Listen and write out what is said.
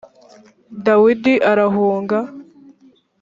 dawidi arahunga